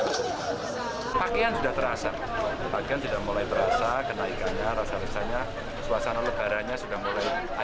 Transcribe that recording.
pakaian sudah terasa pakaian sudah mulai terasa kenaikannya rasa rasanya suasana lebarannya sudah mulai ada